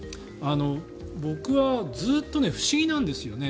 僕はずっと不思議なんですよね。